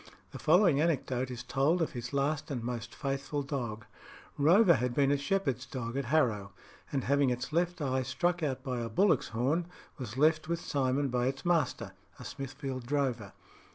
The following anecdote is told of his last and most faithful dog: Rover had been a shepherd's dog at Harrow, and having its left eye struck out by a bullock's horn, was left with Simon by its master, a Smithfield drover.